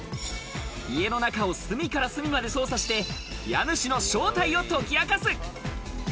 家の中を隅から隅まで捜査して家主の正体を解き明かす！